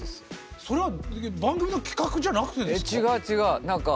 それは番組の企画じゃなくてですか？